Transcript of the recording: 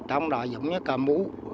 trong đó giống như cá mũ